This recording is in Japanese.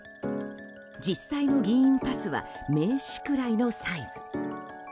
実際の議員パスは名刺くらいのサイズ。